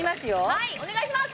はいお願いします！